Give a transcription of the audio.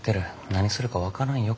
何するか分からんよ。